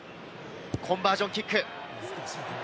コンバージョンキック。